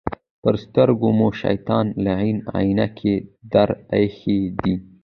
پر سترګو مو شیطان لعین عینکې در اېښي دي.